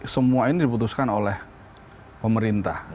semua ini diputuskan oleh pemerintah